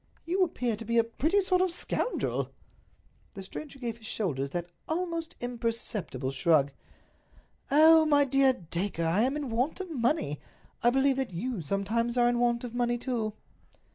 "You appear to be a pretty sort of a scoundrel." The stranger gave his shoulders that almost imperceptible shrug. "Oh, my dear Dacre, I am in want of money! I believe that you sometimes are in want of money, too."